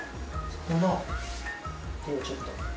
この手をちょっと。